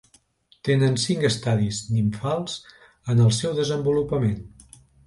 Tenen cinc estadis nimfals en el seu desenvolupament.